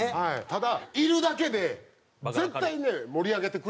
ただいるだけで絶対ね盛り上げてくれると思います。